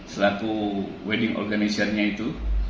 selaku wedding organisernya itu